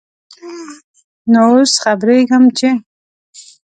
نوو اوس خبريږم ، چې ...